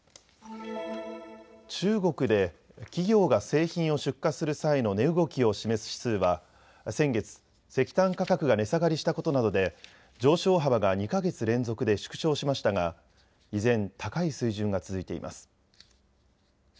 中国で企業が製品を出荷する際の値動きを示す指数は先月、石炭価格が値下がりしたことなどで上昇幅が２か月連続で縮小しましたが依然、高い水準が続いています。